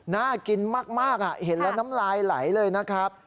น่ากินมากเห็นแล้วน้ำลายไหลเลยนะครับ